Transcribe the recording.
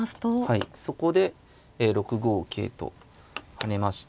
はいそこで６五桂と跳ねまして。